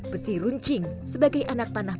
kita harus gede kah